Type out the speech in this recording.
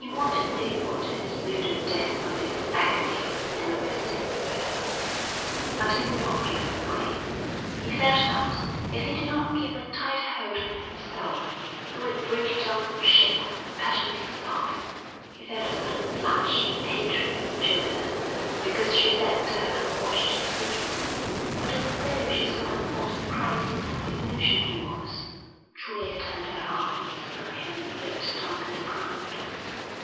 He wanted nobody to know the depths of his agony and of his despair. But he would not give way. He felt that, if he did not keep a tight hold on himself, he would break down and shake with passionate sobbing. He felt a sudden flash of hatred for Julia because she sat there and watched his weakness. But as though she saw at what a crisis of emotion he was, Julia turned her eyes from him and looked down at the ground.